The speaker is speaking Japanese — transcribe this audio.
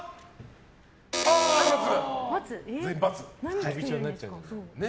全員×。